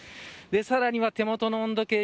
さらには手元の温度計